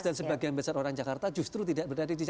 dan sebagian besar orang jakarta justru tidak berada di jakarta